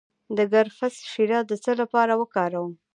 د کرفس شیره د څه لپاره وکاروم؟